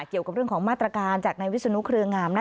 เกี่ยวกับเรื่องของมาตรการจากนายวิศนุเครืองาม